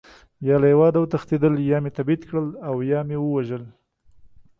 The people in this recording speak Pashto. یا له هېواده وتښتېدل، یا مې تبعید کړل او یا مې ووژل.